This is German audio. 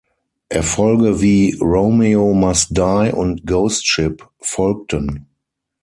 Erfolge wie Romeo Must Die und Ghost Ship folgten.